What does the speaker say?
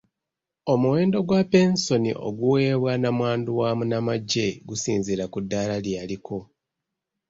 Omuwendo gwa pensoni oguweebwa namwandu wa munnamagye gusinziira ku ddaala lye yaliko.